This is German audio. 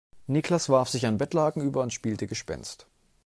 Niklas warf sich ein Bettlaken über und spielte Gespenst.